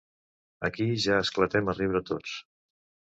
Aquí ja esclatem a riure tots.